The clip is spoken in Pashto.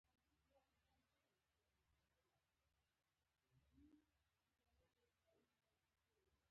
ځغاسته د ماشومتوب یادونه راولي